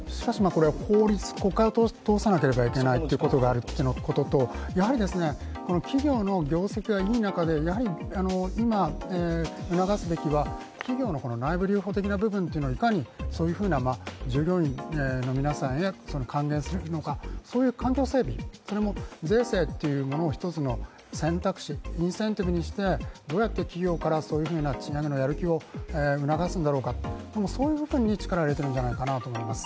法律、国会を通さなければいけないということとやはり企業の業績がいい中で、今、促すべきは企業の内部留保的な部分をいかに従業員の皆さんへ還元するのかそういう環境整備、それも税制っていう一つの選択肢インセンティブにして、どうやって企業から賃上げのやる気を促すんだろうか、そういう部分に力を入れているんじゃないかなと思います。